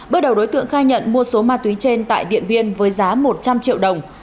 bước đầu đối tượng khai nhận mua số ma túy trên tại điện biên với giá một trăm linh triệu đồng